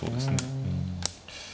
うん。